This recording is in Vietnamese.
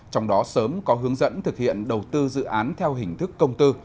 trong đó sớm có hướng dẫn thực hiện đầu tư dự án theo hình thức công tư